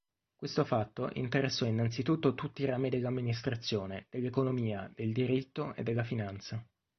Questo fatto interessò innanzitutto tutti i rami dell'amministrazione, dell'economia, del diritto e della finanza.